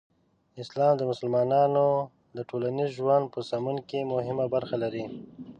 اسلام د مسلمانانو د ټولنیز ژوند په سمون کې مهمه برخه لري.